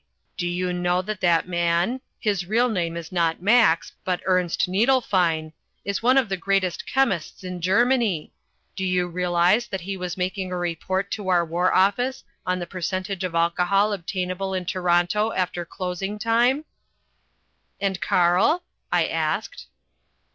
_ Do you know that that man his real name is not Max but Ernst Niedelfein is one of the greatest chemists in Germany? Do you realise that he was making a report to our War Office on the percentage of alcohol obtainable in Toronto after closing time?" "And Karl?" I asked.